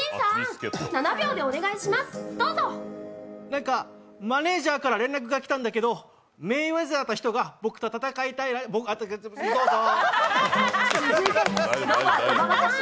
なんか、マネージャーから連絡が来たんだけどメイウェザーって人が僕と戦いたいどうぞ。